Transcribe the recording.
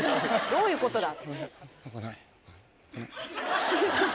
どういうことだ？